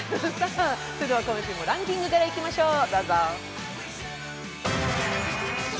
それではランキングからいきましょう。